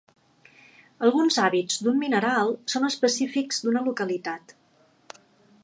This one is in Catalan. Alguns hàbits d'un mineral són específics d'una localitat.